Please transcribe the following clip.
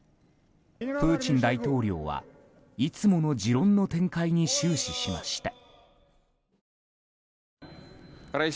プーチン大統領は、いつもの持論の展開に終始しました。